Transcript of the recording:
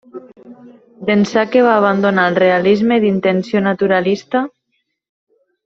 D'ençà que va abandonar el realisme d'intenció naturalista.